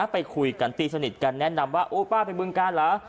ไปคุยกันตีสนิทกันแนะนำว่าโอ้ป้าไปบึงการเหรอ